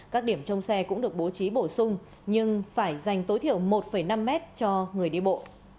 các điểm trong xe cũng được bố trí bổ sung nhưng phải dành tối thiểu một năm mét cho người đi bộ